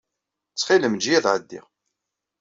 Ttxil-m, ejj-iyi ad ɛeddiɣ.